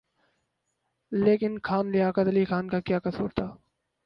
لیکن خان لیاقت علی خان کا کیا قصور تھا؟